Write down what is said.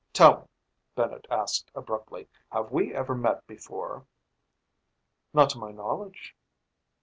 "Tell me," Bennett asked abruptly, "have we ever met before?" "Not to my knowledge."